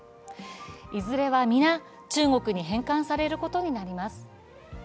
いずれは皆、中国に返還されることになります。